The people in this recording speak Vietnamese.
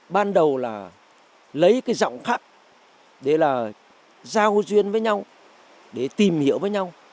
ban đầu là lấy cái giọng khắc để là giao duyên với nhau để tìm hiểu với nhau